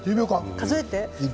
数えて。